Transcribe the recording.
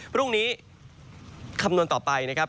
พรุ่งนี้คำนวณต่อไปนะครับ